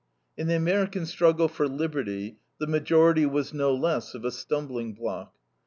In the American struggle for liberty, the majority was no less of a stumbling block.